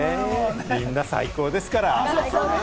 みんな、最高ですから。